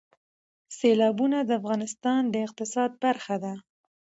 سیلابونه د افغانستان د اقتصاد برخه ده.